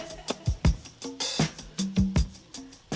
lihat lihat teruk